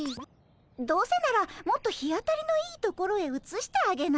どうせならもっと日当たりのいい所へうつしてあげないかい？